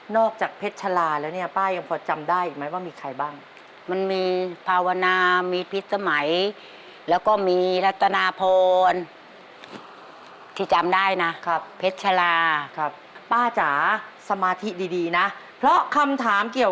นอกจากเพชรชลาแล้วเนี่ย